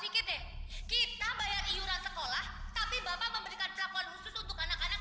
kita bayar iuran sekolah tapi bapak memberikan pelakuan khusus untuk anak anak